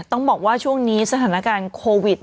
ต้องบอกว่าช่วงนี้สถานการณ์โควิด